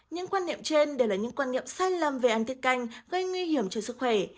những quan niệm trên đều là những quan niệm sai lầm về antic canh gây nguy hiểm cho sức khỏe